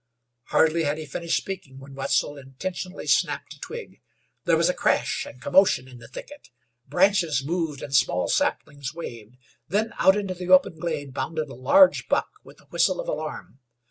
Hardly had he finished speaking when Wetzel intentionally snapped a twig. There was a crash and commotion in the thicket; branches moved and small saplings waved; then out into the open glade bounded a large buck with a whistle of alarm.